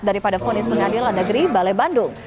daripada fonis pengadilan negeri balai bandung